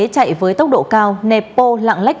chạy với tốc độ cao nẹp pô lặng lách